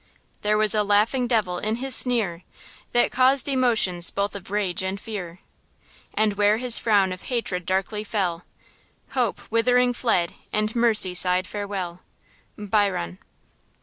There was a laughing devil in his sneer. That caused emotions both of rage and fear: And where his frown of hatred darkly fell, Hope, withering fled and mercy sighed farewell! –BYRON.